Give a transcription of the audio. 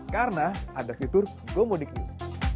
karena ada fitur gomudik news